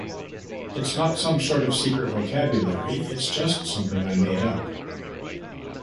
It's not some sort of secret vocabulary, it's just something I made up.